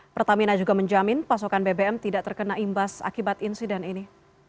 pertamina juga menjamin pasokan bbm tidak terkena imbas akibat insiden ini